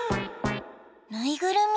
ぬいぐるみ？